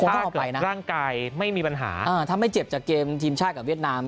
เพราะว่าร่างกายไม่มีปัญหาถ้าไม่เจ็บจากเกมทีมชาติกับเวียดนาม